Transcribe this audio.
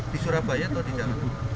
di surabaya atau di jakarta